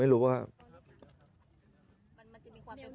ไม่รู้ว่าครับ